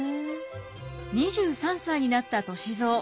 ２３歳になった歳三。